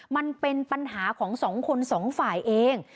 มันเป็นปัญหาของสองคนสองฝ่ายเอง